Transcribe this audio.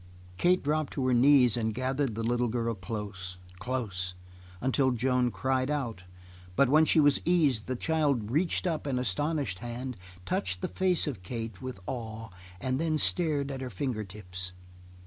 Kate dropped to her knees and gathered the little close, close, until Joan cried out, but when she was eased the child reached up an astonished hand, touched the face of Kate with awe, and then stared at her finger tips.